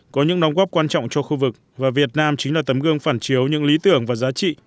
có những đóng góp quan trọng cho khu vực và việt nam chính là tấm gương phản chiếu những lý tưởng và giá trị